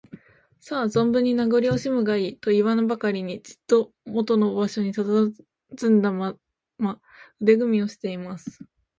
「さあ、ぞんぶんに名ごりをおしむがいい」といわぬばかりに、じっともとの場所にたたずんだまま、腕組みをしています。